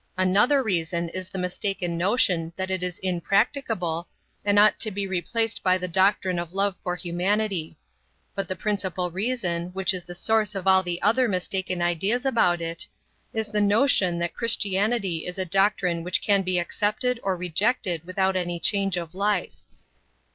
Another reason is the mistaken notion that it is impracticable, and ought to be replaced by the doctrine of love for humanity. But the principal reason, which is the source of all the other mistaken ideas about it, is the notion that Christianity is a doctrine which can be accepted or rejected without any change of life.